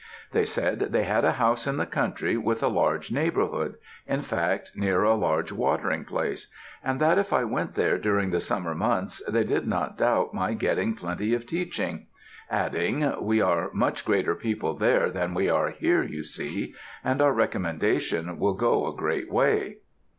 They said they had a house in the country with a large neighbourhood in fact, near a large watering place; and that if I went there during the summer months, they did not doubt my getting plenty of teaching; adding, 'We are much greater people there than we are here, you see; and our recommendation will go a great way.'